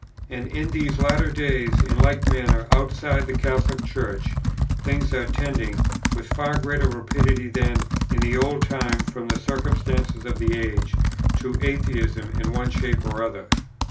And in these latter days, in like manner, outside the Catholic Church things are tending, with far greater rapidity than in that old time from the circumstance of the age, to atheism in one shape or other.